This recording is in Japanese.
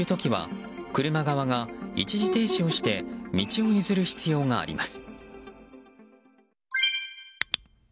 横断者がいる時は車側が一時停止をして道を譲る必要があります。